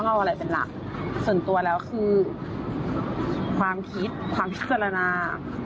ต้องเอาอะไรเป็นละส่วนตัวแล้วคือความคิดความพิจารณา